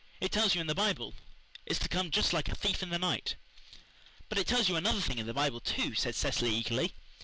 "It tells you in the Bible. It's to come just like a thief in the night." "But it tells you another thing in the Bible, too," said Cecily eagerly.